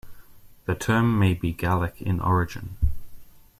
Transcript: The term may be Gallic in origin.